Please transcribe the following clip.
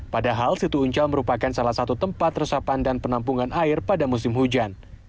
padahal situ uncal merupakan salah satu tempat resapan dan penampungan air pada musim hujan